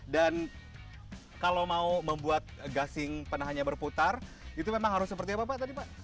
dan kalau mau membuat gasing penahannya berputar itu memang harus seperti apa pak